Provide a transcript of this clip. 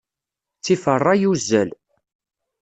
Ttif ṛṛay, uzzal.